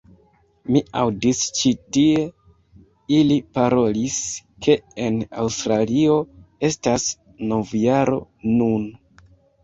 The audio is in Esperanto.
Mi aŭdis ĉi tie ili parolis ke en Aŭstralio estas novjaro nun